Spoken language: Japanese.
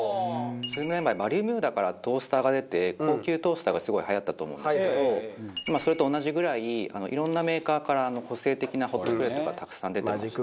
数年前バルミューダからトースターが出て高級トースターがすごいはやったと思うんですけど今それと同じぐらいいろんなメーカーから個性的なホットプレートがたくさん出てまして。